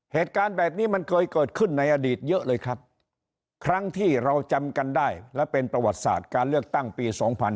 เหตุการณ์แบบนี้มันเคยเกิดขึ้นในอดีตเยอะเลยครับครั้งที่เราจำกันได้และเป็นประวัติศาสตร์การเลือกตั้งปี๒๕๕๙